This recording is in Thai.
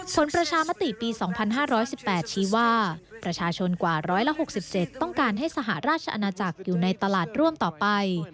ประชามติปี๒๕๑๘ชี้ว่าประชาชนกว่า๑๖๗ต้องการให้สหราชอาณาจักรอยู่ในตลาดร่วมต่อไป